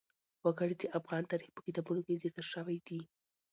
وګړي د افغان تاریخ په کتابونو کې ذکر شوی دي.